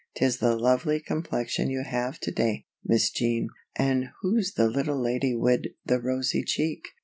"'Tis the lovely complexion you have to day, Miss Jean. An' who's the little lady wid the rosy cheek?